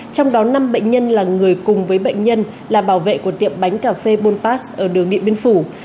trong đó năm bệnh nhân là người cùng với bệnh nhân là bảo vệ của tiệm bánh cà phê bulpas ở đường điện biên phủ